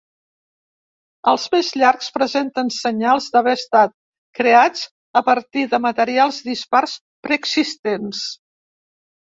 Els més llargs presenten senyals d'haver estat creats a partir de materials dispars preexistents.